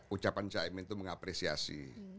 ucapan caimin tuh mengapresiasi